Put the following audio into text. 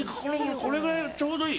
これぐらいがちょうどいい。